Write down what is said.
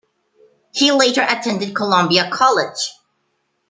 He later attended Columbia College.